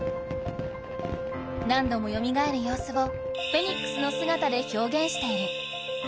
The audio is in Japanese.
何度もよみがえる様子をフェニックスの姿で表現している。